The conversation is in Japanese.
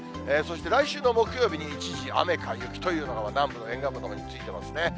そして来週の木曜日に一時雨か雪というマークが南部の沿岸部のほうについてますね。